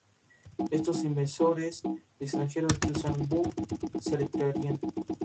Como se dijo anteriormente, en esta realización lo acompañaría su cuñado Gonzalo Mejía.